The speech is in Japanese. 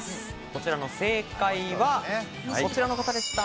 こちらの正解は、こちらの方でした。